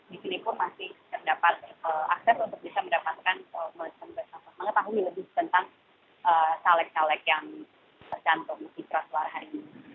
di sini pun masih terdapat akses untuk bisa mendapatkan mengetahui lebih tentang caleg caleg yang tercantum citra suara hari ini